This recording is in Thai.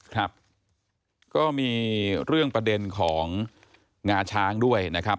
ครับก็มีเรื่องประเด็นของงาช้างด้วยนะครับ